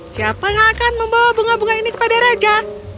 siapa yang akan membawa bunga bunga ini kepada raja